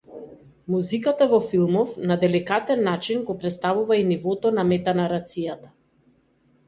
Музиката во филмов на деликатен начин го претставува и нивото на метанарацијата.